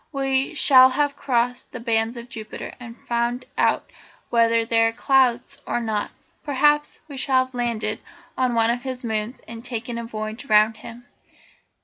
We shall have crossed the bands of Jupiter, and found out whether they are clouds or not; perhaps we shall have landed on one of his moons and taken a voyage round him.